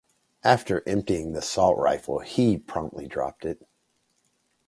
After emptying the assault rifle, he promptly dropped it.